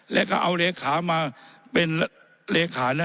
และกำเอาเหลขามาเป็นตอบเหลขานั้น